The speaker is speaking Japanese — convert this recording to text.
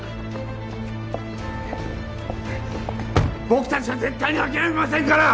僕たちは絶対に諦めませんから！